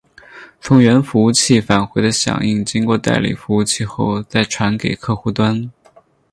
从源服务器返回的响应经过代理服务器后再传给客户端。